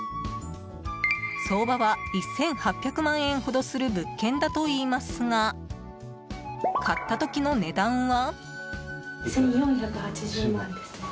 相場は１８００万円ほどする物件だといいますが買った時の値段は。